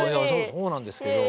そうなんですけど。